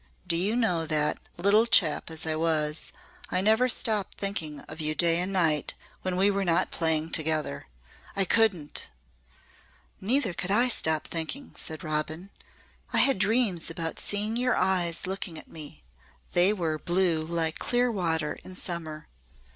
Do you know that, little chap as I was, I never stopped thinking of you day and night when we were not playing together. I couldn't!" "Neither could I stop thinking," said Robin. "I had dreams about seeing your eyes looking at me. They were blue like clear water in summer.